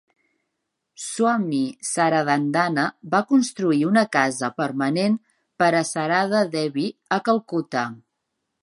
Swami Saradananda va construir una casa permanent per a Sarada Devi a Calcuta.